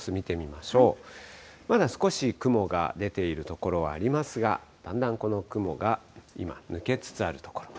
まだ少し雲が出ている所はありますが、だんだんこの雲が今、抜けつつあるところ。